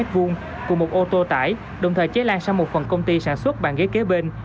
cùng một ô tô tải đồng thời cháy lan sang một phần công ty sản xuất bàn ghế kế bên